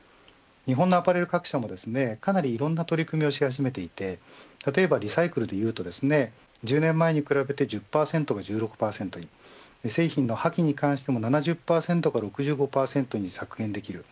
日本のアパレル各社もかなりいろんな取り組みをし始めていて例えばリサイクルでいうと１０年前に比べて１０％が１６％に製品の破棄に関しても７０％から６５％に削減できる。